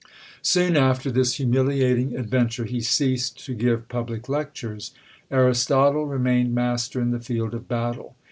Soon after this humiliating adventure he ceased to give public lectures. Aristotle remained master in the field of battle.